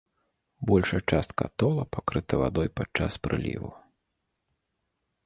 Большая частка атола пакрыта вадой падчас прыліву.